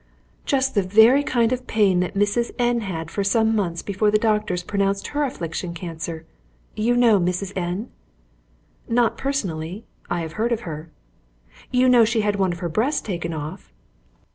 "Just the very kind of pain that Mrs. N had for some months before the doctors pronounced her affection cancer. You know Mrs. N ?" "Not personally. I have heard of her." "You know she had one of her breasts taken off?"